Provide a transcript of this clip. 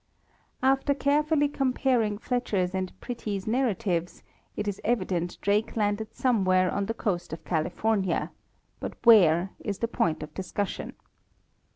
After carefully comparing Fletcher's and Pretty's narratives, it is evident Drake landed somewhere on the coast of California, but where, is the point of discussion.